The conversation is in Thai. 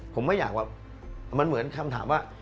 ผมไม่อยากว่ามันเหมือนคำถามว่า